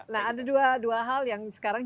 nah ada dua hal yang sekarang